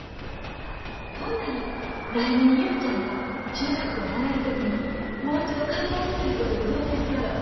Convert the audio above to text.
ほんなら来年雄ちゃんが中学校に上がる時にもう一度考えるということでどうですやろ？